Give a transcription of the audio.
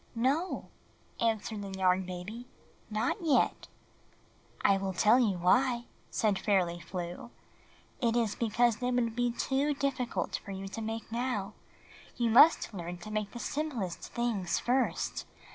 "No," answered the Yarn Baby, "not yet." "I wiU tell you why," said Fairly Flew. "It is because they would be too difficult for you to make now. You must learn to make the simplest things first.